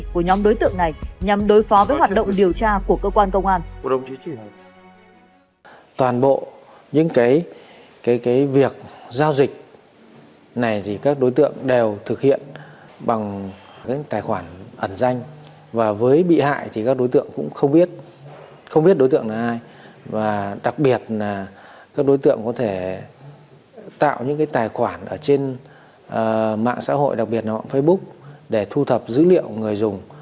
của nhóm đối tượng này nhằm đối phó với hoạt động điều tra của cơ quan công an